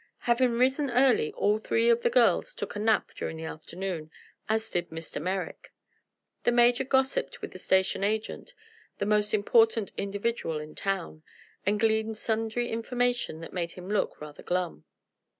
Having risen early all three of the girls took a nap during the afternoon, as did Mr. Merrick. The Major gossiped with the station agent, the most important individual in town, and gleaned sundry information that made him look rather glum.